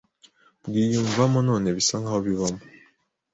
bwiyumvamo none bisa nkaho bibamo